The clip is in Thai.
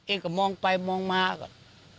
ก็มองไปมองมาก่อน